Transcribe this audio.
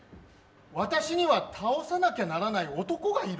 私には倒さなきゃならない男がいる？